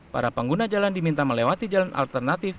para pengguna jalan diminta melewati jalan alternatif